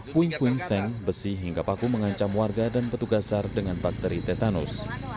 puing puing seng besi hingga paku mengancam warga dan petugas sar dengan bakteri tetanus